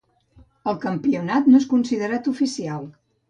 El campionat no és considerat oficial.